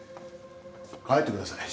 帰ってください。